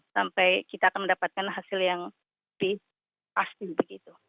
sampai kita akan mendapatkan hasil yang lebih pasti begitu